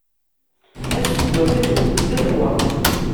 Aseggas-a tewwet lehwa.